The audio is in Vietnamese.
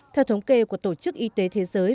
theo thống kê của tổ chức y tế thế giới